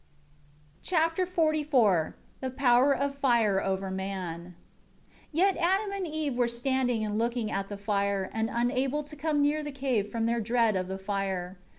Chapter XLIV The power of fire over man. 1 Yet Adam and Eve were standing and looking at the fire, and unable to come near the cave from their dread of the fire.